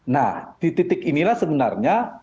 nah di titik inilah sebenarnya